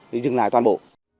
để dừng lại toàn bộ